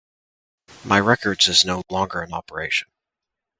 My Records is no longer in operation.